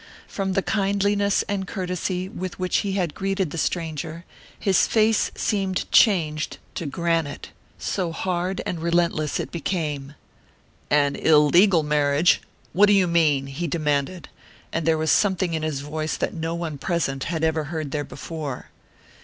From the kindliness and courtesy with which he had greeted the stranger his face seemed changed to granite, so hard and relentless it became. "An illegal marriage? What do you mean?" he demanded, and there was something in his voice that no one present had ever heard there before.